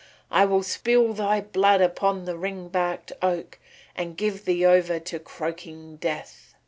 I will spill thy blood upon the ring barked oak and give thee over to croaking Death."